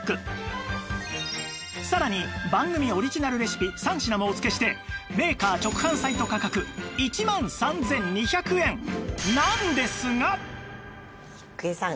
さらに番組オリジナルレシピ３品もお付けしてメーカー直販サイト価格１万３２００円郁恵さん